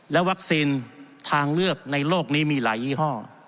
วัคซีนทางเลือกในโลกนี้มีหลายยี่ห้อ